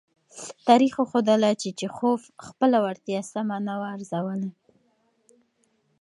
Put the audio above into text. تاریخ وښودله چې چیخوف خپله وړتیا سمه نه وه ارزولې.